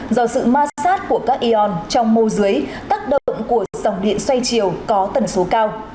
do sự ma sát của các ion trong mô dưới tác động của dòng điện xoay chiều có tần số cao